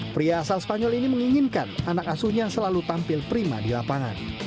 pria asal spanyol ini menginginkan anak asuhnya selalu tampil prima di lapangan